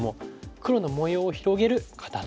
黒の模様を広げる肩ツキ。